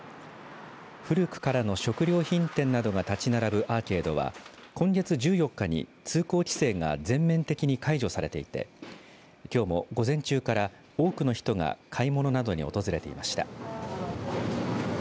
古くからの食料品店などが立ち並ぶアーケードは今月１４日に通行規制が全面的に解除されていてきょうも午前中から多くの人が買い物などに訪れていました。